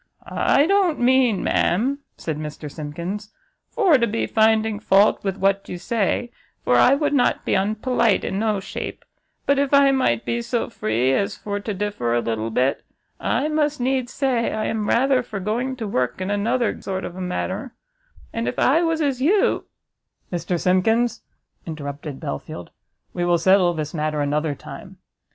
"I don't mean, ma'am," said Mr Simkins, "for to be finding fault with what you say, for I would not be unpelite in no shape; but if I might be so free as for to differ a little bit, I must needs say I am rather for going to work in anotherguess sort of a manner; and if I was as you " "Mr Simkins," interrupted Belfield, "we will settle this matter another time."